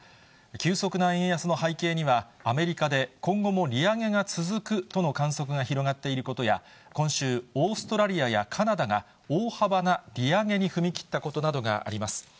急速な円安の背景には、アメリカで今後も利上げが続くとの観測が広がっていることや、今週、オーストラリアやカナダが、大幅な利上げに踏み切ったことなどがあります。